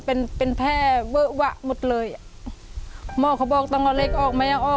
เป็นเป็นแพร่เวอะวะหมดเลยอ่ะหมอเขาบอกต้องเอาเหล็กออกไม่เอาออก